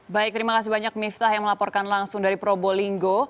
baik terima kasih banyak miftah yang melaporkan langsung dari probolinggo